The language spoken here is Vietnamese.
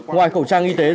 ngoài khẩu trang y tế